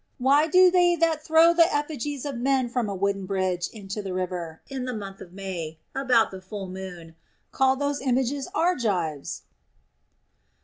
Why do they that throw the effigies of men from a wooden bridge into the river, in the month of May, about the full moon, call those images Argives